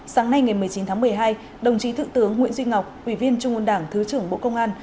sáng nay ngày một mươi chín tháng một mươi hai đồng chí thượng tướng nguyễn duy ngọc ủy viên trung ương đảng thứ trưởng bộ công an